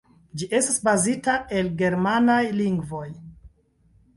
Ĝi estas bazita el ĝermanaj lingvoj.